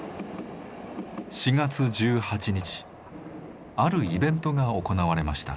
４月１８日あるイベントが行われました。